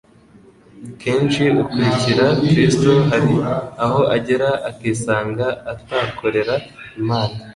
Kenshi ukurikira Kristo hari aho agera akisanga atakorera Imana